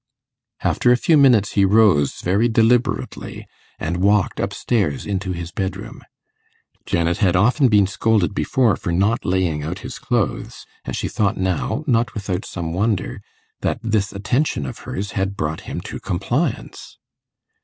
After a few minutes he rose very deliberately and walked up stairs into his bedroom. Janet had often been scolded before for not laying out his clothes, and she thought now, not without some wonder, that this attention of hers had brought him to compliance.